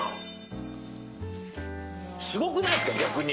すごくないですか、逆に。